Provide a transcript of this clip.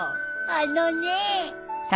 あのね。